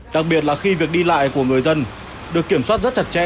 đặc biệt là khi việc đi lại của người dân được kiểm soát rất chặt chẽ